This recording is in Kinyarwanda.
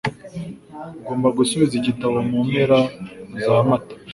Ugomba gusubiza igitabo mu mpera za Mata.